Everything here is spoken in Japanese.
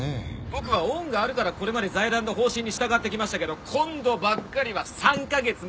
僕は恩があるからこれまで財団の方針に従ってきましたけど今度ばっかりは３カ月も無理です！